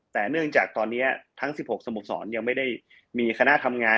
แต่เนื่องจากตอนนี้ทั้ง๑๖สโมสรยังไม่ได้มีคณะทำงาน